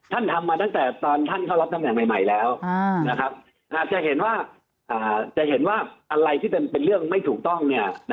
ตอนท่านเข้ารับตำแหน่งใหม่แล้วจะเห็นว่าอะไรที่เป็นเรื่องไม่ถูกต้อง